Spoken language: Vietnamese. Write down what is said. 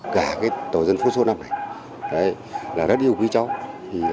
cả tổ dân phố số năm này là rất yêu quý cháu